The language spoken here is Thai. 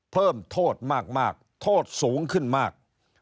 เพิ่มโทษมากโทษสูงขึ้นมาก